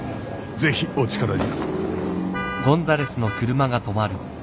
ぜひお力に。